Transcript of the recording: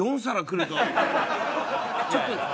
ちょっと。